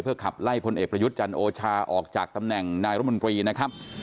ขับไล่พลเอกประยุทธ์จันโอชาออกจากตำแหน่งนายรมนตรีนะครับ